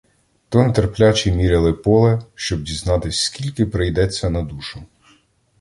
То нетерплячі міряли поле, щоб дізнатись, скільки прийдеться на душу.